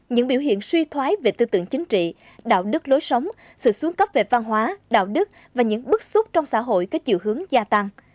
những biểu hiện suy thoái về tư tưởng chính trị đạo đức lối sống sự xuống cấp về văn hóa đạo đức và những bức xúc trong xã hội có chiều hướng gia tăng